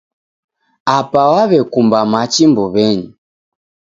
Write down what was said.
Apa waw'ekumba machi mbuw'enyi.